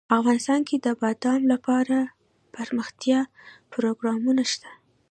افغانستان کې د بادام لپاره دپرمختیا پروګرامونه شته.